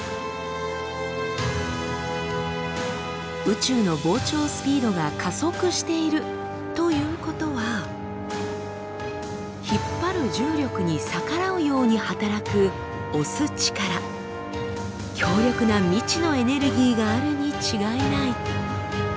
宇宙の膨張スピードが加速しているということは引っ張る重力に逆らうように働く押す力強力な未知のエネルギーがあるに違いない。